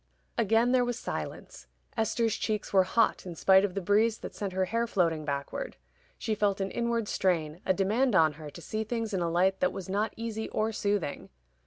Again there was silence. Esther's cheeks were hot in spite of the breeze that sent her hair floating backward. She felt an inward strain, a demand on her to see things in a light that was not easy or soothing.